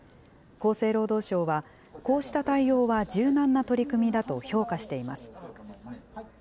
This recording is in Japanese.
厚生労働省は、こうした対応は柔軟な取り組みだと評価しています。